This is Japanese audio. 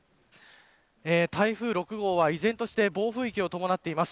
台風６号は依然として暴風域を伴っています。